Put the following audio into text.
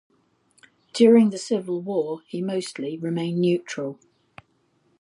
During the Civil War he mostly remained neutral.